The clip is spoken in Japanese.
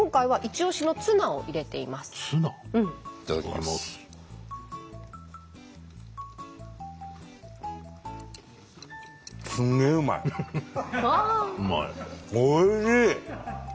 おいしい！